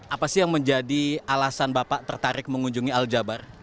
apa sih yang menjadi alasan bapak tertarik mengunjungi al jabar